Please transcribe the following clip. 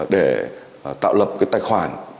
để tạo lập cái tài khoản